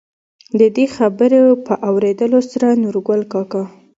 د دې خبرو په اورېدلو سره نورګل کاکا،